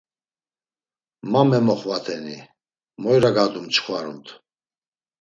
Ma memoxvateni, moy ragadumt nçxvarumt?